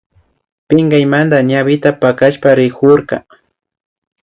Pinkaymanta ñawita pakashpami rikurka